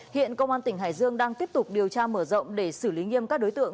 hiện công an tỉnh hải dương đang tiếp tục điều tra mở rộng để xử lý nghiêm các đối tượng